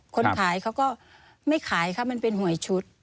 คนขายเขาก็ไม่ขายค่ะมันเป็นหวยชุด